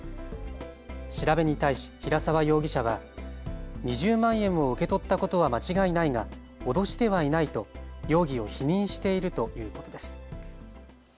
調べに対し平澤容疑者は２０万円を受け取ったことは間違いないが脅してはいないと容疑を否認しているということです。